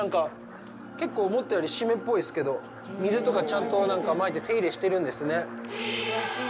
結構、思ったより湿っぽいですけど、水とか、ちゃんとまいて手入れしてるんですね。